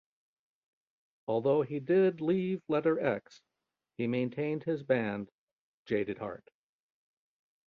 Although he did leave Letter X, he maintained his band Jaded Heart.